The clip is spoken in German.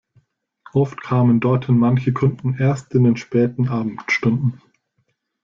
Oft kamen dorthin manche Kunden erst in den späten Abendstunden.